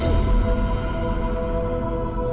kok menyala lagi